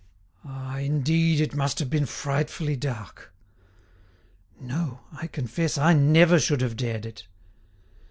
"Ah, indeed! it must have been frightfully dark!" "No; I confess I never should have dared it!"